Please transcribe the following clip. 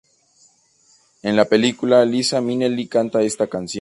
En la película, Liza Minnelli canta esta canción.